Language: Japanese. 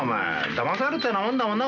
だまされたようなもんだもんな